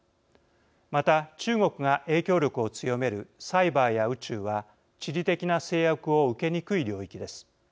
また、中国が影響力を強めるサイバーや宇宙は地理的な制約を受けにくい領域です。